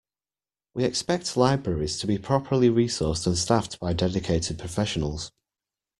We expect libraries to be properly resourced and staffed by dedicated professionals.